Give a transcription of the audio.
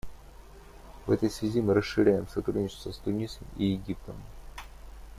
В этой связи мы расширяем сотрудничество с Тунисом и Египтом.